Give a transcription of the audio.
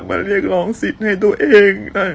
สุขภาพจิตอดเสียไปเลยนะครับทุกคนรู้สึกแย่มากมากมากมาก